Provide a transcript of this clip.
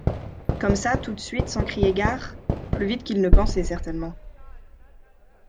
Comme ça, tout de suite, sans crier gare ? Plus vite qu'il ne pensait certainement.